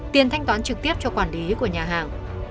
tiền thanh toán trực tiếp cho quản lý của nhà hàng